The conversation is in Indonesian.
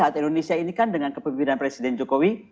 masyarakat indonesia ini kan dengan kepemimpinan presiden jokowi